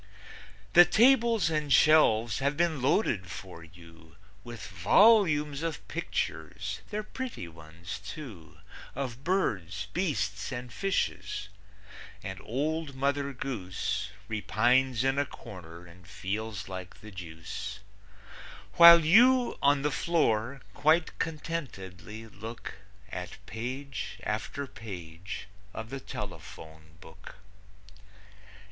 The tables and shelves have been loaded for you With volumes of pictures they're pretty ones, too Of birds, beasts, and fishes, and old Mother Goose Repines in a corner and feels like the deuce, While you, on the floor, quite contentedly look At page after page of the telephone book.